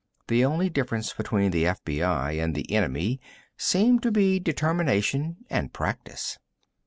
The only difference between the FBI and the Enemy seemed to be determination and practice.